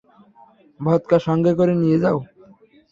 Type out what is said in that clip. Vodka সঙ্গে করে নিয়ে যাও।